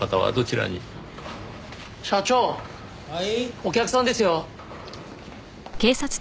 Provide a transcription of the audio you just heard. お客さんですよ。